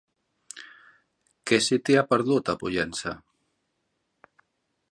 Què se t'hi ha perdut, a Pollença?